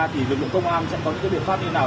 thì lực lượng công an sẽ có những biện pháp như thế nào